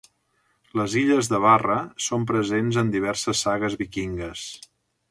Les Illes de Barra són presents en diverses sagues vikingues.